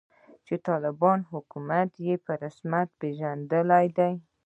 چې د طالبانو حکومت یې په رسمیت پیژندلی دی